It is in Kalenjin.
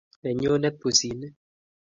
Nenyunet pusit ni.